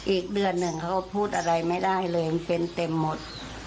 อีกเดือนหนึ่งเขาก็พูดอะไรไม่ได้เลยมันเป็นเต็มหมด